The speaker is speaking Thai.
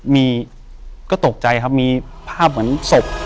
มีก็ตกใจครับมีภาพเหมือนศพ